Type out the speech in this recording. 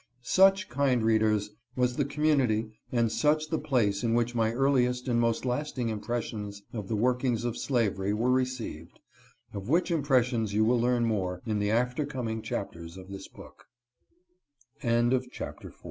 Such, kind readers, was the community and such the place in which my earliest and most lasting impressions of the workings of slavery were received, of which impressions you will learn more in the after coming chap ters